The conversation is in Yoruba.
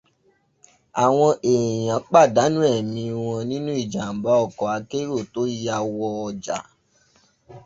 Àwọn èèyàn pàdánù ẹ̀mí wọn nínú ìjàmbá ọkọ̀ akérò tó yà wọ ọjà